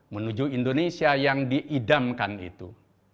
menuju indonesia yang diidamkan itu